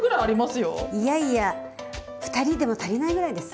いやいや２人でも足りないぐらいです。